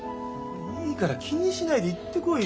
いいから気にしないで行ってこいよ。